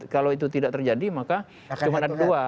kalau itu tidak terjadi maka cuma ada dua